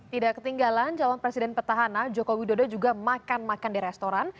tidak ketinggalan calon presiden petahana joko widodo juga makan makan di restoran